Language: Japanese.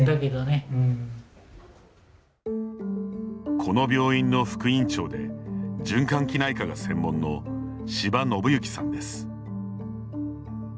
この病院の副院長で循環器内科が専門の柴信行さんです。